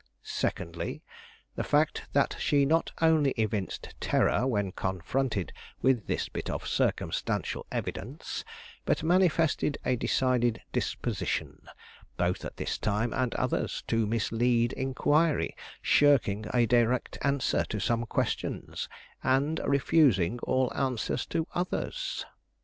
"Secondly, the fact that she not only evinced terror when confronted with this bit of circumstantial evidence, but manifested a decided disposition, both at this time and others, to mislead inquiry, shirking a direct answer to some questions and refusing all answer to others.